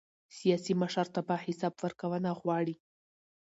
سیاسي مشرتابه حساب ورکونه غواړي